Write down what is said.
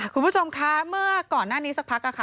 คุณผู้ชมคะเมื่อก่อนหน้านี้สักพักค่ะ